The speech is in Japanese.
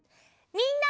みんな！